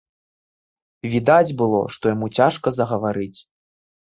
Відаць было, што яму цяжка загаварыць.